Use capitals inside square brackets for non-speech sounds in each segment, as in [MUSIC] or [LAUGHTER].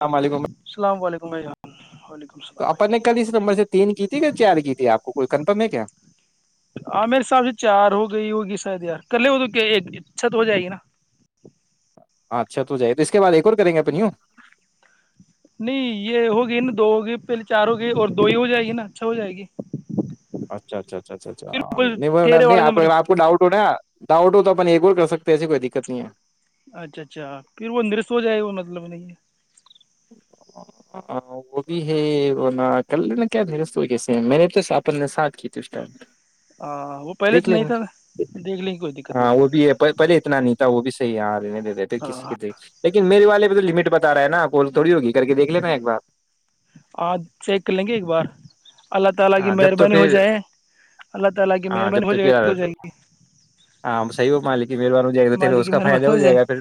السلام علیکم السلام علیکم [UNINTELLIGIBLE] ج تو اپن نے کل اس نمبر سے تین کی تھی کہ چار کی تھی آپ کو کوئی کنفرم ہے کیا عامر صاحب سے چار ہو گئی ہوگی شاید یار کر لے وہ تو اچھا تو ہو جائے گی نا اچھا تو جائے تو اس کے بعد ایک اور کریں گے پنوں نہیں یہ ہوگی نا دو ہو گئے پہلے چار ہو گئے اور دو ہی ہو جائے گی نا اچھا ہو جائے گی اچھا اچھا اچھ اچھا پھر کوئی تیرے والے اچا آپ نمبر کو ڈاؤٹ ہو ڈؤٹ ہو تو اپن ایک اور کر سکتے ہیں ایسے کوئی دقت نہیں ہے اچھا اچھا پھر وہ نرست ہو جائے گ وہ مطلب نہیں ہے وہ بھی ہے وہ ن کر لینا کیا مست کیسے میں نے تو اپ نے ساتھ کی تھی اس ٹائم ہ وہ پہلے دیکھ تو لیں نہیں گے تھا دیکھ لیں گی کوئی دقت ہاں نہیں وہ ہے بھی پہ- پہلے اتنا [UNINTELLIGIBLE] نہیں دے رہتےے کسی ہاں کی دیک لیکن میرے والے پ تو لمٹ بتا رہے نا آپ تھوڑی ہوگ کر کے دیکھ لینا ایک بار اج چیک کریں گے ایک بار اللہ تعالی کی ہاں جب تو مہربانی ہو پھر جائے اللہ تعالی کی ہاں مہربانی جب ہو جائے تو پھر جائیں گے ہاں صحیح ہو مالک کی مہربان ہو جائے گا تو تیرے اس کا فائدہ ہو جائے گا پھر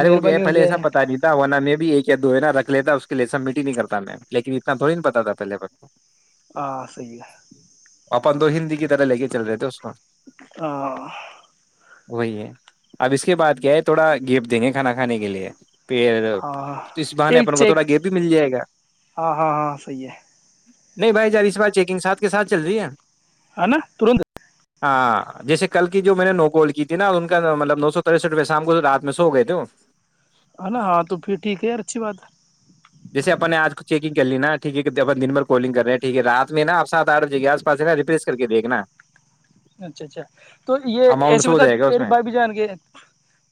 ارے وہ کیا ہے، پہلے ایسا پتا نہیںتاناہ میں بھی ایک یا دو ہےا رکھ لیتا اس کے لیے سبمٹ ہی نہیں کرتا میں لیکن اتنا تھوڑی نہیں پتا تھا پہلے کو آ صحیح ہے اپن دو ہندی کی طرح لے کے چل رہے تھے اس کو ہ وہی ہے اب اس کے بعد کیا ہے تھوڑا گیف دیں گے کھانا کھانے کے لیے پ ہاں تو اس بہانے ایک اپن کو تھوڑا چیک گیپ بھی مل جائے گا ہاں ہاں ہاں صحیح ہے نہیں بھائی ار اس بار چیکنگ سھ کے ساتھ چل رہی ہے ہے نا ترنت ہاں جیسے کل کی جو میں نے نوگول کی تھی نا ان کا مطلب نو سو ترسٹ روپئے شام کو رات میں سو گئے تھے ہے نا ہاں تو پھر ٹھیک ہے یار اچھی بات ہے جیسے اپنے نے آج کو چیکنگ کر ل نا ٹھیک ہے کہ دن بھر کالنگ کر رہے ہیں ٹھیک ہے رات میں نا آ سات آٹ بجے گے آس پا ہے نا ریپریس کر کے دیکھ نا اچھا اچھا تو یہ ایسے سے ہو بتا جائے گا اس تیر میں بائی بھی جان کے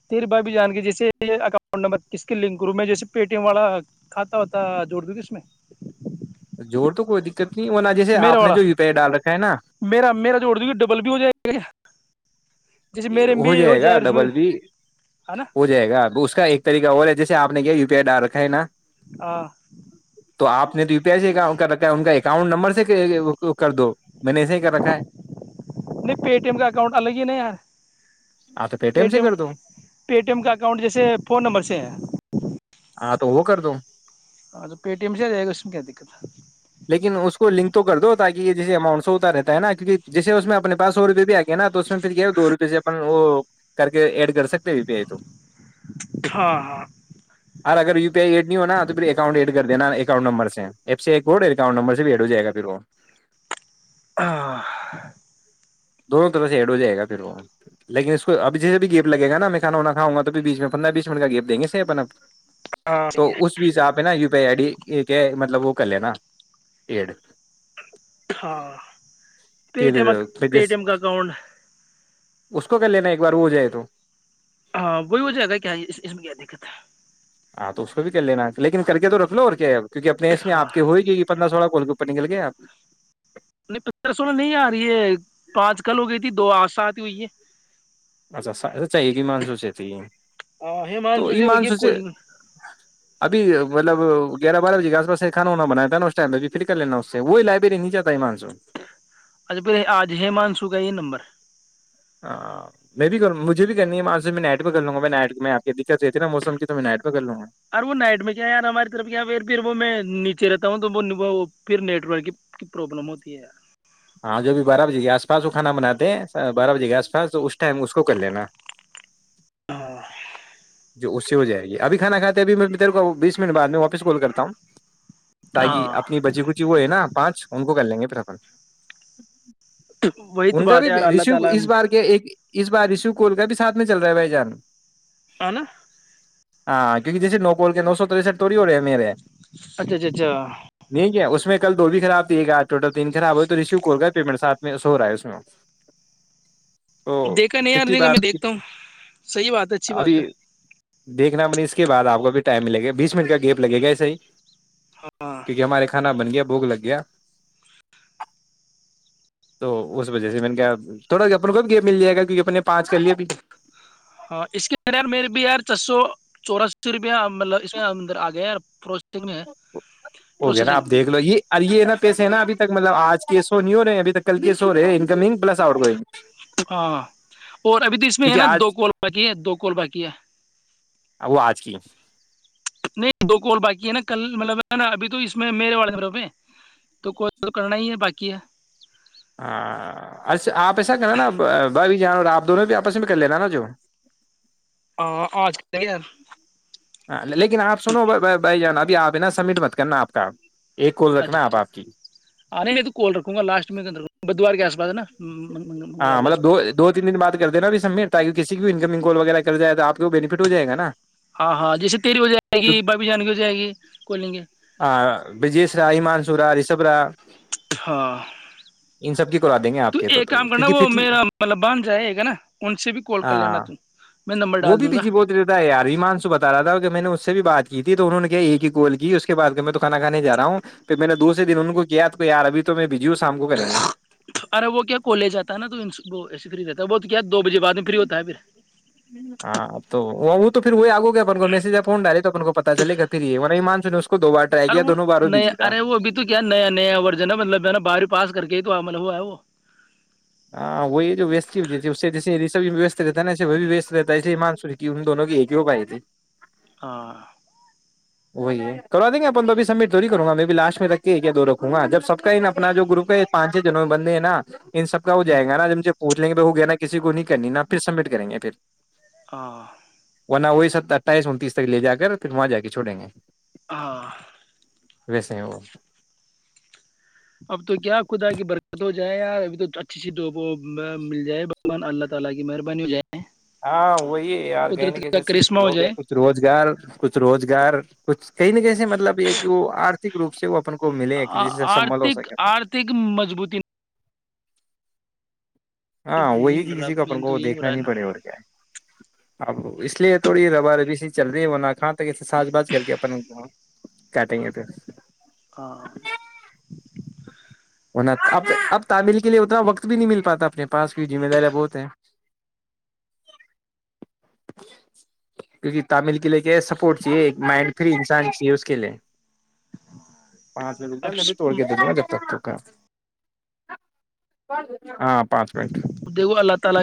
تیر بائی بھی جان کے جیسے یہ اکاؤنٹ نمبر کس کے لنک کروں میں جیسے پے ٹی ایم والا کھاتا ہوتا جوڑ دوں اس میں جوور تو کوئی دقت نہیں ورنہ جیسے میرا آپ نے والا جو یو پی آئی ڈال رکھا ہے نا میرا میرا جوڑ دوں گی ڈبل بھی ہو جائے گا [UNINTELLIGIBLE] جیسے میرے میں ہو بھی جائے گا اس میں ڈبل بھی ہے نا ہو جائے گاب اس کا ایک طریق اور ہے جیسےپ نے یہ یو پیئی ڈ رکھا ہےا ہ نہیں توی پی ان ااؤنٹ نمبر کر دو میں نے ایسے ہی کر رکھا ہے نہیں پے ٹی ایم کا اکاؤنٹ الگ ہی نا یار ہاں تو پے ٹی سے ایم کر دو پے ٹی ایم کا اکاؤنٹ جیسے فون نمبر سے ہیں ہاں تو وہ کر دو ٹی ایم سے آ جائے گا اس میں کیا دقت ہے لیکن اس کو لنک تو کر دو تاکہ یہ جیسے اماؤنٹ س ہوتا رہتا ہے نا کیہ جیسے اس میں اپنے پا سو روپئے بھی آ گیا نا تو اس میں پھر کیا دو روپ سے وہ کر کے ایڈ کر سکتے یو پی آئی تو ہاں ہاں ار اگر یو پی آئی ایڈ نہیں ہونا تو پھر اکاؤنٹ ایڈ کر د ین اؤنٹ نمبر سے ایپ سے ایک گ اکاؤنٹ نمبر سے بھی ایڈ ہو جائے گا پھر وہ ہ دونوں طرح سے ایڈ ہو جائے گا پھر وہ لن اس کو اب جیے بھی گیپ لگےا میں کھاانا کاؤں گا تو بیچ میں پندرہ بیس منٹ کا گیپ دیں گے س اپن اب ہاں تو اس بیچ آپ ہے نا و پ ایڈی یہ کیا مطلب وہ کر لے نا ایڈ ہاں پ پھر ٹیمک پھر پ جس ٹیم کا کن اس کو کر لینا ایک بار وہ جائے تو ہاں وہی ہو جائے گا کیا اس میں کیا دقت ہے ہاں تو اس کو بھی کر لینا لیکن کر کے تو رکھ لو اور کیا ہے اب کیکہ اپنے اسس میں آ ہاں کے ہوئے گی پندر سو کو اور گپ نکل گے آپ نہیں پندرہ سولہ نہیں آ ساد ہوئی ہے اچھا چاہے مان سوچے تھی ہے تو ہیمانشو ای سے مان ہوگی اب سوچے کالنگ ابھی مطلب گیہ بار بے کےس سےھانا بنایا تھا ن اس ٹم پھر کر لینا اس سے وہی لائبری نہیں جا ایمان سو اچھا پھر آج ہی مان سو کائی نمبر ہ میں بھی کروں مجھے بھی کرنی ہےاں سے میں نائٹ پہ کروں گا میں نائٹ میں آپ کی دقت رہتی ن موسم کی تو میں نائٹ پہ کر لوں گا ار وہ نائٹ میں کیا یار ہماری طرف پھر وہ میں نیچے رہتا وہ پھر نیٹ ورک کی پروابلم ہوتی ہے ہاں جو بھی بارہ بجے کے آس پاس وہ کھانا بناتے ہیں بارہ بجے کے آس پاس اس ٹائم اس کو کر لینا یار۔ جو اس سے ہو جائے گی ابھیھانا کھاتے ہیں اب میں تیرے کو ب بیس منٹ بد میں وافس کال کرتا ہوں تاکہ ہاں اپنی بچی کچی وہ ہے نا پانچ ان کر لیں گے پراپن وہی تو ان کا بات بھی ہے یار اللہ رشو تعالی اس ہے بار کیا اس بار رشو کول کا بھی ساتھ میں چل رہا ہے بھائی جان اناا [UNINTELLIGIBLE] ہاں کیونک جیے نو پول کے نو سو تریسٹ تو ہو رہے ہیں میرے اچھا اچھا اچھا نہیںیک ہے اس میں کل دو بھی خراب تھی ایک آ ٹوٹل تین خراب ہوئی تو ریسیو کر گا پیمنٹ سات میں سو ہو رہا ہے اس میں تو دیکھا نہیں یار پچھلی دیکھا بار میں دیکھتا ہوں صحیح بات ہے اچھی ابھی بات ہے دیکھنا بنی اس کے بع آپ کو بھی ٹائم ملے گا بیس منٹ کا گیپ لگے گا ایسے ہی ہاں کیونکہ ہمارے کھانا بن گیا بھوک لگ گیا تو اس وجہ سے میں نے کیا تھوڑا اپ کو بھی یہ مل جائے گا کیکہ اپ نے پانچ کر لیا بھی ہاں اس کے انر میرے بھی یار چ سو چوراسی روپ مطلب اس اندر آ گیا پر ہو گیا نا آپ دیکھ لو یہ یہ نا پیسے ہیں نا ابھی تک مطلب آج کیسو نہیں ہو رہے ابھی ت کل کیس ہو رہے انکمنگ پلس آؤٹ گوئنگ ہاں اور ابھی تو اس میں ہے کیونکہ نا آج دو کال باقی ہے دو کال باقی ہے وہ آج کی نہیں دو کوول باقی ہے نا کل مطلب ہے نا ابھی تو اس میں میرے والے مب دو ک تو کرنا ہی ہے باقی ہے ہاںا آپ ایسا کرنا نا ب بھی جان آپ دونوں بھی آپس میں کر لینا نا جو ہ آج ک ل لیکن آپنو ب بائی جانا آپ ہے نا سبمٹ مت کرنا آ کا ایک کال اچھا رکھنا آپ اچھا آپ کی آ نہیں تو کال رکھوں گا لاسٹ میں انر رکھوں گا بدوار کے آس پا ہے نا منگلوار ہاں کے آس مطلب پاس دو دو تین دن بات کرتے نا بھی سمیر تاک کسی بھی انکمنگ کال وغیرہ کر جائے تو آپ کو بینیفٹ ہو جائے گ نا ہاں ہاں جیسے تیری ہو جائے گی بابی جانگی ہو جائے گی کو لیں گے بجیش [UNINTELLIGIBLE] ہاں ان سب کی کرا دیں گے آپ تو ایک تو کام کرنا کیونکہ وہ پچھلی میرا مطلب بان جائے گا نا ان سے بھی کال کر لینا ہاں ت میں نمبر وہ ڈال بھی دوں گا بجی بولت رہتا یار مانسو بتا رہا تھا کہ میں نے اس سے بھی بات کی تھی تو انہوں نے کیا ایک ہی گول کی اس کے بد میں تو کانا کھانے جا ہوں پھر میں نے دوسے دن ان کو کیا آپ کو یار ابھی تو میں بجی ہ شام کو کریں گے ارے وہ کیا کالج آتا ہے نا تو ایسے فری رہتا ہے وہ کیا دو بجے بع میں فری ہوتا ہے پھر ہاں تو وہ وہ تو پھر وہ آگو گیا اپن کو میسج یا فون ڈالے تو کو پتا چے گا پھر یہ مان [UNINTELLIGIBLE] ارے وہ نیا ارے وہ ابھی تو کیا نیا نیا ورژن ہے مطلب جو ہے نا بارو پس کر کے کہ تو عمل ہو ہے وہ ہاں وہی جو وست رہتا نے بھی وست رہتا ہے ایے ہی مان س کہ ان دونوں کی یہ پائے تھے ہ وہی ہے کروا دیں گے اپن توبھی سبمٹ تھڑی کروں گا میں بھی لاسٹ میں رکھ کے دو رکھوں گا جب سب کا اپنا جو گروپ ہے پانچ چھ جن بندے ہیں نا ان سب کا وہ ہ جائے گا نا ج سے اوچ لیں گے ب ہو گیا نا کسی کو نہیں کرنی نا پھر سبمٹ کریں گے پھر ہ وہی س اٹھائیس انتیس تک لے جا کرھر وہاں جا کے چھوڑیں گے ہاں ویسے ہی وہ اب تو کیا خدا کی برکت ہو مل جائے اللہ تعالی کی مہربانی [UNINTELLIGIBLE] ہاں وہی یار کہیں نہ قدرت کہ کا کرشمہ ہو جو بھی جائے کچھ روزگار کچھ روزگار کچھ کہیں نہ کہسے مطلب یہ کہ وہ روپ سے وہ اپن کو ملے جس سے سمبل ہو آرھک سکے آرتھک مضبوط نہیں ہاں نہیں وہی مل کہ رہا کسی کوپن مین تو کو یہی ہو دیکھنا رہا ہے نہیں نا پڑے اور کیا اب اس لیے تھوڑی ربا ربی سی چل رہی ہے ہو ن کہاں تکے سج بج کر کے اپن گاؤ کاٹیں گے پھر ہاں ہو اب اب تعمل کے لیے اتنا وقت بھی نہیں مل پاتا اپنے پ ف جم دار بہت ہیں کیونکہ تمل کے لیے کیا سپورٹ چاہیے ایک مائنڈ فری انسان چاہیے اس کے لیے پانچ اب ل میں نے توڑ کے د د نا جب تک تو ہا دیکھو اللہ تعالی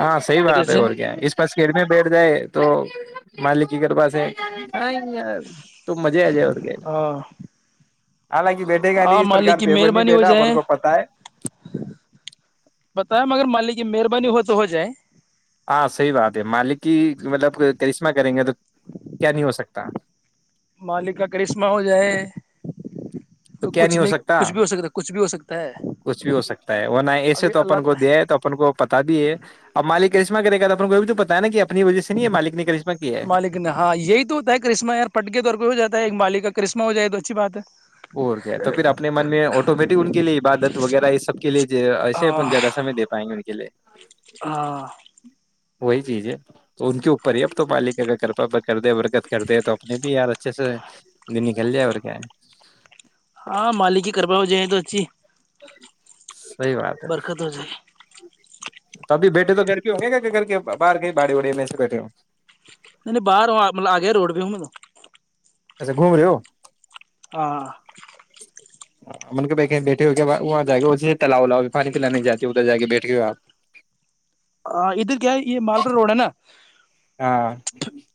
ہاں صی بات ہے اور کیا اس پس کےڑمی بیٹ جائے تو مالک کی کرپا سے تو مزے آ جائے اور کہ ہاں ہاں مالک کی مہربانی ہو بیٹھا اپن جائے کو پتا ہے بتائیں مگر مالک کی مہربانی ہوتی تو ہو جائے ہاں صحیح بات ہے مالک کی مطلب کرشمہ کریں گے تو کیا نہیں ہو سکتا مالک کا کرشمہ ہو جائے تو کیا کچھ نہیں ہو سکتا کچھ بھی ہو سکتا ہے کچھ بھی ہو سکتا ہے کچھ بھی ہو سکتا ہے وہ نہ ایسے ابھی تو اپن کو اللہ دیا ہے تو اپن کو پتا بھی ہے اب مالک کرشم کرے گاپ کو بھی تو پتا ہےا کہ اپنی وجہ سے نہیں ہے مالک نے کرشمہ کیا ہے مالک نے ہاں یہی تو ہوتا ہے کرسمہ یار پٹ کے طور پ ہو جاتا ہے ایک مالکا کا کرسم ہو جائے تو اچھی بات ہے اور کیا تو پھر اپنے من میں آٹومیٹک ان کے لیے عبادت وغیرہ یہ سب کے لیے ایسے ہاں اپن زیادہ سمے دے پائیں گے ان کے لیے ہاں وہی چیز ہے تو ان کے اوپر ہی اب تو مالک اگر کرپا کر د برکت کر د تو اپنے بھی یار اچھے سے نکل لیا اور کیا ہے ہاں مالکی کربا ہو جائے تو اچھی [UNINTELLIGIBLE] صحی بات ہے برکت ہو جائے تو ابھی بیٹھے تو گھر کے ہوں گے گ گھر کے باہر گئی باڑی واڑی میں سے بیٹھے ہوں نہیں نہیں باہر مط آ گیا روڈ پ ہ م تو گھوم رہے ہو ہاں منھے بیٹھے ہوئے وہاں جا تاللاؤ الاؤ پانی کےلا نہیں جاتی ادھر جا کے بیٹھے ہوئے آپ ہ ادھر کیا ہے یہ مالرا روڈ ہے نا ہاں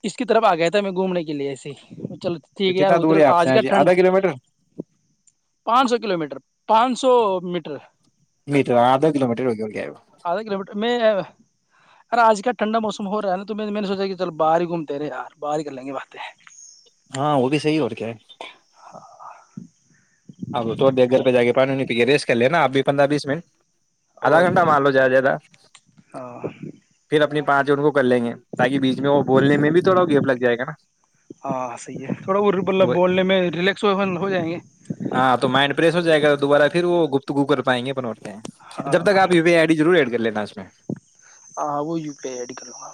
اس کی طرف آ گیا تھا میں گھومنے کے لیے ایس ہی چلو تو ٹھیک ہے یار کتنا دور ادھر آپ آج سے کیا جی ٹھنڈ آدھا کلو میٹر پانچ سو کلو میٹر پانچ سو پان سو میٹر میٹر آدھ کو میٹر ہوگ اد کلو مٹر میں ار آج کلٹھڈا موسم ہو رہا ہےا تو میں میں نے سوچا کہ چل باہر گوم رہے ار باہ ہی کریں گے باطہ ہاں وہ بھی صحیح اور کیا ہے ہاں آپ تھوڑ دیر گھر پہ جا کے پانی پی کے ریسٹ کر لینا آب بھی پندرہ بیس منٹ آدھا اور گھنٹہ کیا مار لو جیادہ زیادہ ہاں پھر اپنی پچ جنوں کو کر لیں گے تاکہ بیچ میں وہ بولنے میں بھی تھوڑا گیپ لگ جائے گا نا ہاں صحیح ہے تھوڑا وہ مطلب بولنے میں ریلیکس ہو جائیں گے ہاں تو مائنڈ فریش ہو جائے گا دوبارہ پھر وہ گپت گوپ کر پائیںے اپن ہاں جب تکپی پی آئی آئی ڈیضرور ایڈ کر لیتے ہیں اس میں ہاں وہ ی پی آئی آئی ڈی کر لوں گا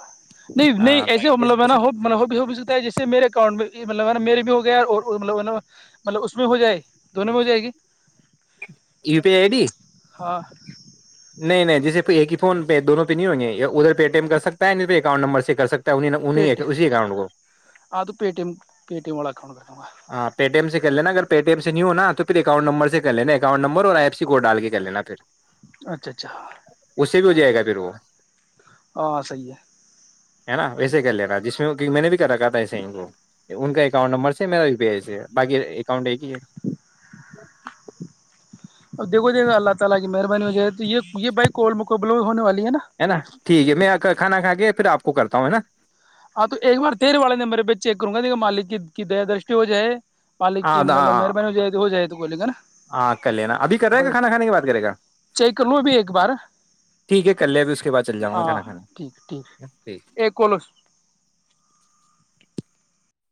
نہیں ہاں ایسے جیسے مطلب نا جیسے ہو ہوتا جیے میرے اکاؤنٹ میںل نا میرے بھی ہو گیا اور مطلب نا مطلب اس میں ہو جائے دونوں میں ہو جائے گی U P I I D ہاں [UNINTELLIGIBLE] نہیں نہیں جیسے ایک ہی فون پہ دون پہ نہیں ہوں گےیا ادھر پے ٹی ایم کر سکتا نہیں پ اکؤنٹ نمبر سے کر سکتا ہے انہیں پٹی انہیں اسی اکاؤنٹ کو ا پ ٹیم پے ٹی ایم و ہاں پےٹی ایم س [UNINTELLIGIBLE] کر لینا اگر پے ٹیم سے نہیں ہو ن تو پھر اکؤنٹ نمر سے کر لین اکاؤٹ نمبر اور آ ای سی کوڈ ڈال کے کر لینا پھر اچھا اچھا [UNINTELLIGIBLE] اس بھی ہو جائے گا پھر وہ [UNINTELLIGIBLE] ہاں صحیح ہے ہے نا ویسے کر لینا جس میں کہ میں نے بھی کر را کہا تھا ایسے کو ان کا اکاؤنٹ نمبر میرا ی پی آئی سے باقی اکاؤنٹ ہے کہ ہے اب دیکھ دے اللہ تعالی کی مہربانی ہو جائے تو یہ بائک کو مکبل ہونے والی ہے نا ٹھیک ہے میں کھانا کھا کے پھر آپ کو کرتا ہوں ہے نا ہاں تو ایک بار تے والے نے میرے ب چیک کروں گا دیکا مالک کی دیا دش ہو جائے ہے آ ہ تو بولے گا ہاں ک لینا ابھی کر رہے نا گا کھانا کھانے کی بات کرے گا چیک کر لو ابھی ایک بار ٹھیک ہے کل ل اب اس کے بعد چل جاؤں گا ہاں کھانا ٹھیک ٹھیک کھانا ٹھیک ایک کالو